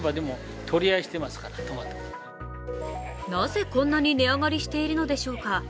なぜこんなに値上がりしているのでしょうか